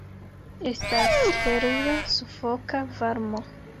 Estas terura sufoka varmo.